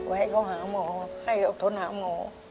ไว้ก็หาหมอให้ต้องทนหาหมอ